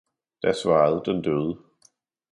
Da svarede den døde.